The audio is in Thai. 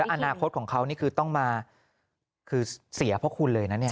อนาคตของเขานี่คือต้องมาคือเสียเพราะคุณเลยนะเนี่ย